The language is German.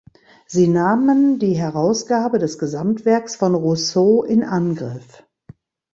Sie nahmen die Herausgabe des Gesamtwerks von Rousseau in Angriff.